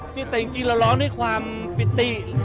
แต่จริงเราร้องด้วยความปิติ